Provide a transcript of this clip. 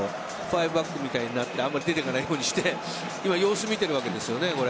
５バックみたいになってあまり出ていかないようにして様子見ているわけですよね。